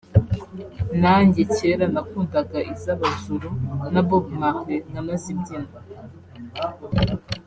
nanjye kera nakundaga iz'Abazulu na Bob Marley nkanazibyina